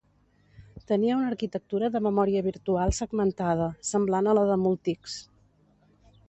Tenia una arquitectura de memòria virtual segmentada, semblant a la de Multics.